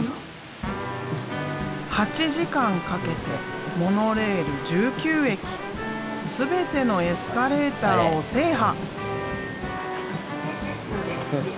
８時間かけてモノレール１９駅全てのエスカレーターを制覇！